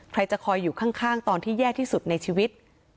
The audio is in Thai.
ใครจะคอยอยู่ข้างตอนที่แย่ที่สุดในชีวิต